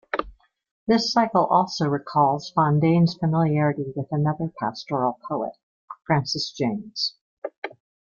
The cycle also recalls Fondane's familiarity with another pastoral poet, Francis Jammes.